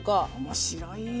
面白いよ。